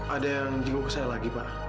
ada yang jenguk saya lagi pak